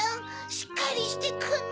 しっかりしてくんろ！